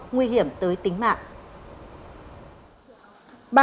nguy hiểm tới tính mạng